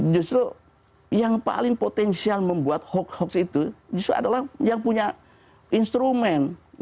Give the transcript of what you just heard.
justru yang paling potensial membuat hoax hoax itu justru adalah yang punya instrumen